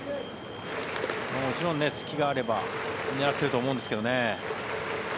もちろん隙があれば狙ってると思うんですけどね。